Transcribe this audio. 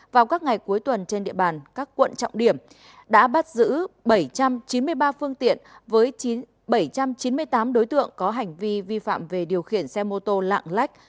vào các ngày cuối tuần trên địa bàn các quận trọng điểm đã bắt giữ bảy trăm chín mươi ba phương tiện với bảy trăm chín mươi tám đối tượng có hành vi vi phạm về điều khiển xe mô tô lạng lách